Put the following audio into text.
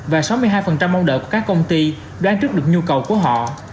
và sáu mươi hai mong đợi của các công ty đoán trước được nhu cầu của họ